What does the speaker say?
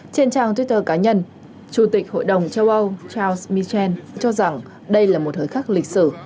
trên trang twitter cá nhân chủ tịch hội đồng châu âu charust michel cho rằng đây là một thời khắc lịch sử